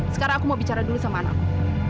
sekarang aku mau bicara dulu sama anakmu